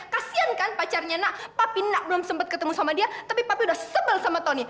kasian kan pacarnya nak papina belum sempat ketemu sama dia tapi papi udah sebel sama tony